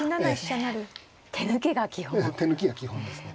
ええ手抜きが基本ですね。